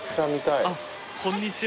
こんにちは。